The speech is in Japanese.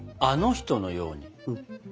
あの人のように？